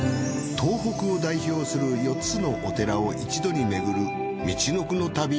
東北を代表する４つのお寺を一度に巡るみちのくの旅。